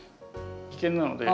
危険なので。